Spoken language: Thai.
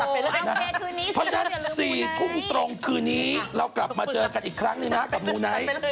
เพราะฉะนั้น๔ทุ่มตรงคืนนี้เรากลับมาเจอกันอีกครั้งหนึ่งนะกับมูไนท์